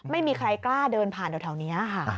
ไม่มีใครกล้าเดินผ่านแถวนี้ค่ะ